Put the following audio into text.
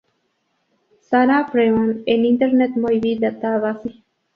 Sarah Freeman en Internet Movie Database